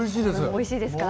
おいしいですか。